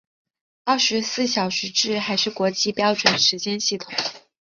二十四小时制还是国际标准时间系统。